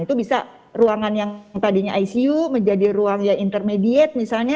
itu bisa ruangan yang tadinya icu menjadi ruang yang intermediate misalnya